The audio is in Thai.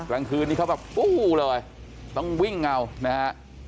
กลางคืนนี้เขาแบบฟู้เลยต้องวิ่งเอานะฮะ